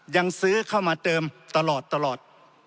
ยังซื้อเข้ามาเติมตลอด